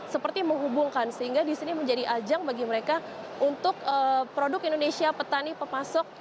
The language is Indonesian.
seperti menghubungkan sehingga disini menjadi ajang bagi mereka untuk produk indonesia petani pemasok